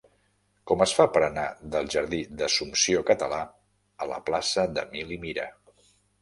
Com es fa per anar del jardí d'Assumpció Català a la plaça d'Emili Mira?